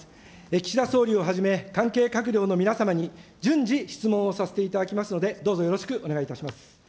岸田総理をはじめ、関係閣僚の皆様に順次、質問をさせていただきますので、どうぞよろしくお願いいたします。